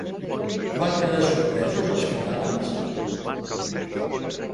Van quedar sorpresos els catalans?